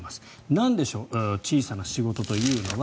なんでしょう小さな仕事というのは。